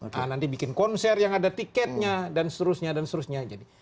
nah nanti bikin konser yang ada tiketnya dan seterusnya dan seterusnya